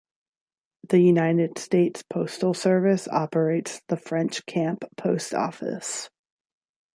The United States Postal Service operates the French Camp Post Office.